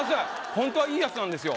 ホントはいいやつなんですよ